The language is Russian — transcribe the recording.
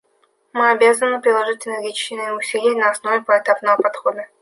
Мы обязаны приложить энергичные усилия на основе поэтапного подхода.